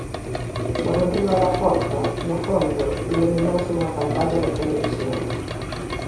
Por enriba da porta, no fondo, iluminouse unha pantalla de televisión.